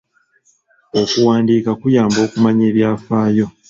Okuwandiika kuyamba okumanya ebyafaayo.